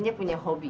ada apa sih mi